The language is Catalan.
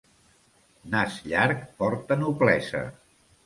Nas llarg porta noblesa.